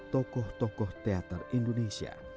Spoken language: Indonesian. tokoh tokoh teater indonesia